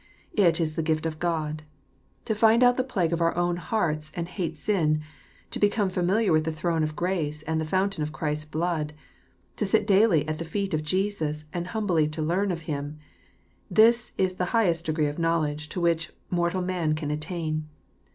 It is the gift of God. To find out the plague of our own hearts and hate sin, — to become familiar with the throne of grace and the fountain of Christ's blood, — to sit daily at the feet of Jesus, and humbly learn of Him, — this is the highest degree of knowledge to which mortal man can attain.